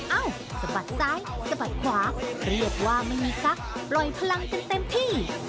เอ้าสะบัดซ้ายสะบัดขวาเรียกว่าไม่มีซักปล่อยพลังกันเต็มที่